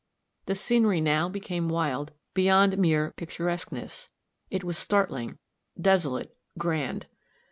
The scenery now became wild beyond mere picturesqueness it was startling, desolate, grand.